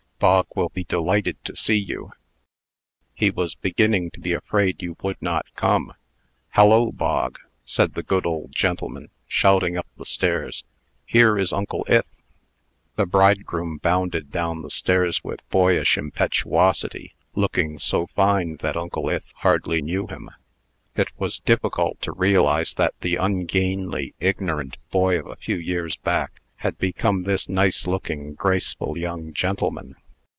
Bog will be delighted to see you. He was beginning to be afraid you would not come. Hallo, Bog!" said, the good old gentleman, shouting up the stairs; "here is Uncle Ith." The bridegroom bounded down the stairs with boyish impetuosity, looking so fine that Uncle Ith hardly knew him. It was difficult to realize that the ungainly, ignorant boy of a few years back, had become this nice looking, graceful young gentleman.